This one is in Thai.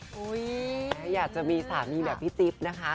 แม้อยากจะมีสามีแบบพี่จิ๊บนะคะ